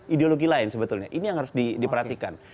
ideologi lain sebetulnya ini yang harus diperhatikan